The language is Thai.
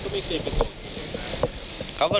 คุณระพินฮะคุณระพินฮะ